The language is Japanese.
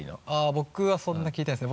僕はそんな聞いてないですね。